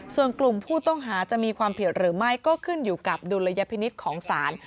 ส่วนกลุ่มผู้ต้องหาจะมีความผิดหรือไม่ก็ขึ้นอยู่กับดุลยพินิษฐ์ของศาล